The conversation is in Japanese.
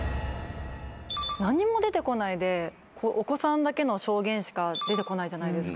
何も出てこないでお子さんだけの証言しか出てこないじゃないですか。